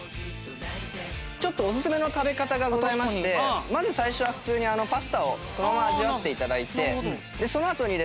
ちょっとオススメの食べ方がございましてまず最初は普通にパスタをそのまま味わって頂いてそのあとにですね